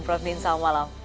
prof din selamat malam